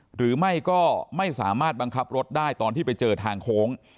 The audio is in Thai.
หรือไม่ก็ไม่สามารถบังคับรถได้ตอนที่ไปเจอทางโค้ง